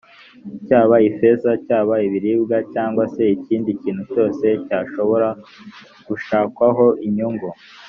cyaba ifeza, cyaba ibiribwa, cyangwa se ikindi kintu cyose cyashobora gushakwaho inyungu.